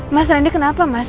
mas randy kenapa mas